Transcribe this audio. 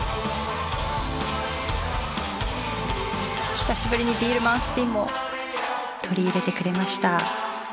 久しぶりにビールマンスピンも取り入れてくれました。